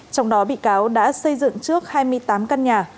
trong đó bị cáo đã xây dựng trước hai mươi tám căn nhà